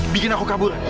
bikin aku kabur